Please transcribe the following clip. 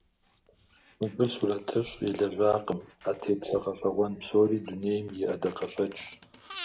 Мыбы сурэтыщӀ елэжьакъым; а теплъэ гъэщӀэгъуэн псори дунейм и ӀэдакъэщӀэкӀщ.